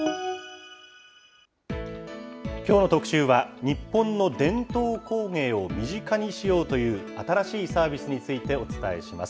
きょうの特集は、日本の伝統工芸を身近にしようという新しいサービスについてお伝えします。